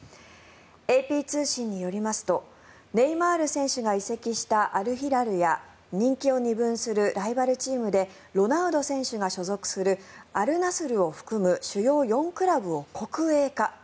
ＡＰ通信によりますとネイマール選手が移籍したアルヒラルや人気を二分するライバルチームでロナウド選手が所属するアルナスルを含む主要４クラブを国営化。